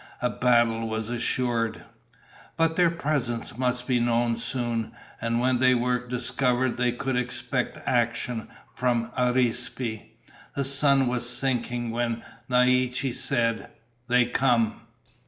A battle was assured. But their presence must be known soon, and when they were discovered they could expect action from Arispe. The sun was sinking when Naiche said: "They come."